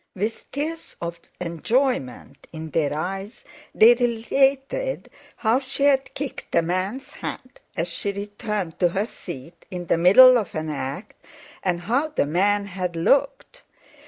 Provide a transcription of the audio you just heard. With tears of enjoyment in their eyes, they related how she had kicked a man's hat as she returned to her seat in the middle of an act, and how the man had looked.